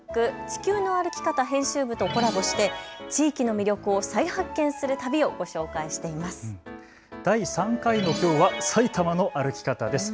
地球の歩き方編集部とコラボして地域の魅力を再発見する旅をご紹介しています。